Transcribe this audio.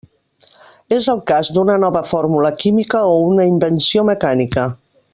És el cas d'una nova fórmula química o una invenció mecànica.